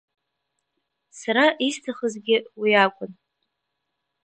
Сара исҭахызгьы уи акәын.